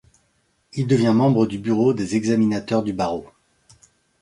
Il devient membre du Bureau des examinateurs du Barreau.